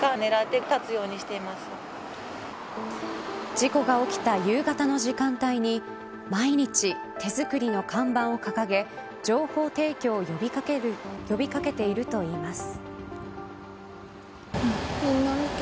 事故が起きた夕方の時間帯に毎日手作りの看板を掲げ情報提供を呼び掛けているといいます。